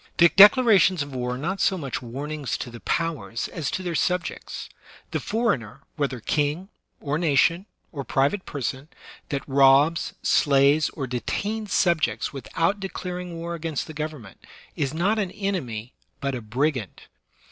Declarations of war are not so much warnings to the powers as to their subjects. The for eigner, whether king, or nation, or private person, that robs, slays, or detains subjects without declaring war against the government, is not an enemy, but a brigand.